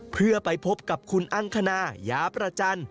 เพื่อไปพบกับคุณอังคณายาประจันทร์